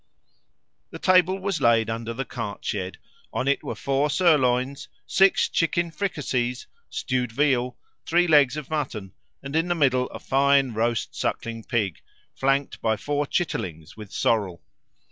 The table was laid under the cart shed. On it were four sirloins, six chicken fricassees, stewed veal, three legs of mutton, and in the middle a fine roast suckling pig, flanked by four chitterlings with sorrel.